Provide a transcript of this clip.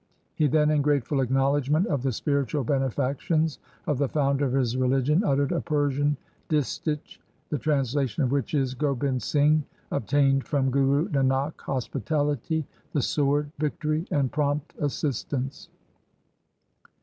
He then, in grateful acknowledgement of the spiritual benefactions of the founder of his religion, uttered a Persian distich, the translation of which is: — Gobind Singh obtained from Guru Nanak Hospitality, the sword, victory, and prompt assistance.